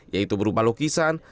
yaitu berupa lukisan